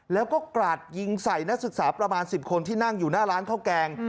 แล้วก็กราดยิงใส่นักศึกษาประมาณ๑๐คนที่นั่งอยู่หน้าร้านข้าวแกง